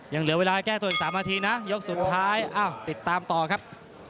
ยังเหลือเวลาแก้ตัวอีก๓นาทีนะยกสุดท้ายติดตามต่อครับ